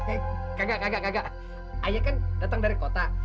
eh kagak kagak kagak ayah kan datang dari kota